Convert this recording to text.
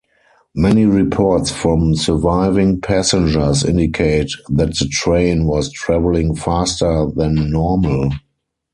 Many reports from surviving passengers indicate that the train was travelling faster than normal.